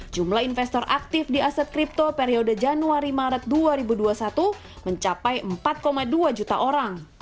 jumlah investor aktif di aset kripto periode januari maret dua ribu dua puluh satu mencapai empat dua juta orang